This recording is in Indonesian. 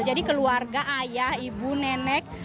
jadi keluarga ayah ibu nenek